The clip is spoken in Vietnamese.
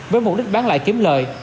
với mục đích bán lại kiếm lợi